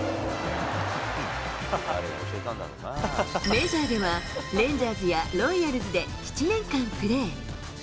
メジャーでは、レンジャーズやロイヤルズで７年間プレー。